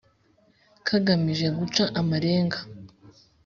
kagumirije guca amarenga,